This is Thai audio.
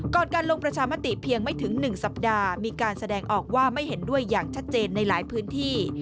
การลงประชามติเพียงไม่ถึง๑สัปดาห์มีการแสดงออกว่าไม่เห็นด้วยอย่างชัดเจนในหลายพื้นที่